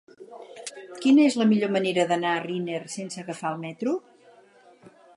Quina és la millor manera d'anar a Riner sense agafar el metro?